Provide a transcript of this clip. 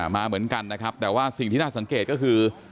มาเหมือนกันนะครับแต่ว่าสิ่งที่น่าสังเกตก็คือ